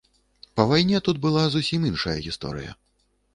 Па вайне тут была зусім іншая гісторыя.